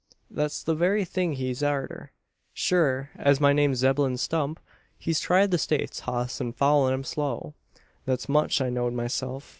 "Thet's the very thing he's arter sure as my name's Zeb'lon Stump. He's tried the States hoss an foun' him slow. Thet much I knowd myself.